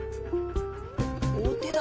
お手だ